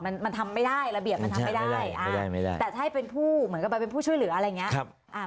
มันมันทำไม่ได้ระเบียบมันทำไม่ได้แต่ถ้าให้เป็นผู้เหมือนกับไปเป็นผู้ช่วยเหลืออะไรอย่างนี้